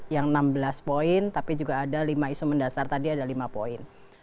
yang enam belas poin tapi juga ada lima isu mendasar tadi ada lima poin